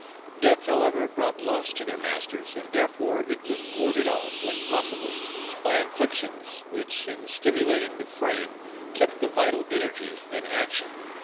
Death, however, brought loss to their masters, and therefore it was warded off, when possible, by inflictions, which, in stimulating the frame, kept the vital energy in action.